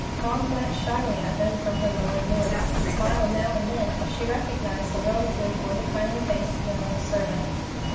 Dawn glanced shyly at them from her lowered lids, and smiled now and then as she recognized a relative or the kindly face of an old servant.